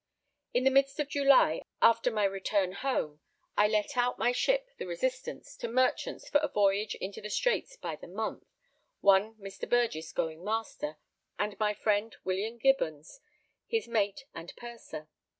In the midst of July, after my return home, I let out my ship, the Resistance, to merchants for a voyage into the Straits by the month, one Mr. Burgess going master, and my friend William Gibbons, his mate and purser.